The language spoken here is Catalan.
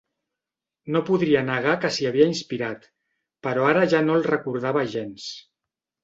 No podria negar que s'hi havia inspirat, però ara ja no el recordava gens.